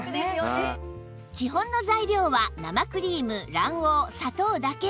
基本の材料は生クリーム卵黄砂糖だけ